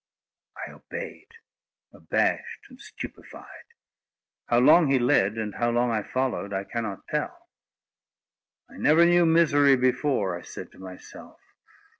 I obeyed, abashed and stupefied. How long he led, and how long I followed, I cannot tell. "I never knew misery before," I said to myself.